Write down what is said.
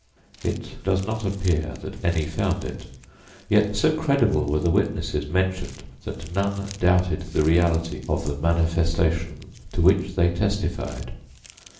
It does not appear that any found it, yet so credible were the witnesses mentioned that none doubted the reality of the "manifestations" to which they testified.